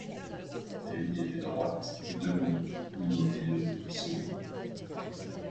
Elle y était droite, debout, immobile, solide.